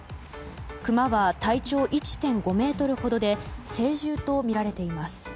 クマは体長１．５ｍほどで成獣とみられています。